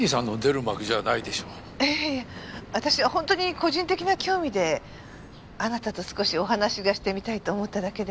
いやいや私は本当に個人的な興味であなたと少しお話しがしてみたいと思っただけで。